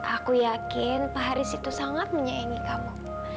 aku yakin pak haris itu sangat menyaingi kamu